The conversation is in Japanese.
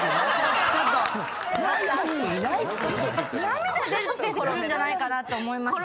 涙出てくるんじゃないかなと思いましたね。